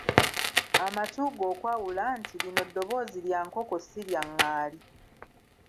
Amatu go okwawula nti: lino ddobozi lya nkoko ssi lya ngaali.